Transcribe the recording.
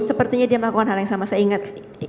sepertinya dia melakukan hal yang sama saya ingat